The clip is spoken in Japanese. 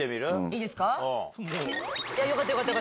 いいですか？